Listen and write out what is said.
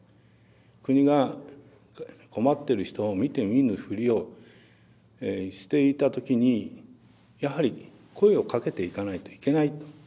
国が困ってる人を見て見ぬふりをしていた時にやはり声をかけていかないといけないと。